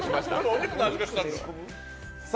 お肉の味がしたんですよ。